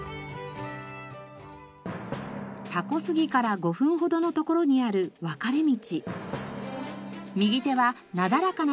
たこ杉から５分ほどのところにある分かれ道。